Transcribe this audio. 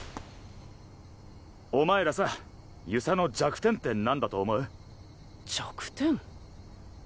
お前らさ遊佐の弱点って何だと思う？弱点？